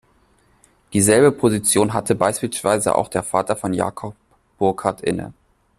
Dieselbe Position hatte beispielsweise auch der Vater von Jacob Burckhardt inne.